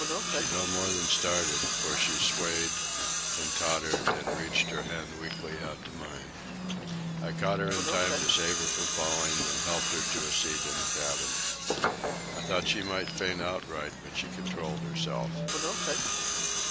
She no more than started, for she swayed and tottered, and reached her hand weakly out to mine. I caught her in time to save her from falling, and helped her to a seat on the cabin. I thought she might faint outright, but she controlled herself.